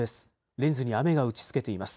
レンズに雨が打ちつけています。